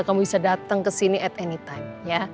kamu bisa datang kesini at any time